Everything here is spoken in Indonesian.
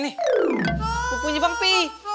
sepupunya bang pi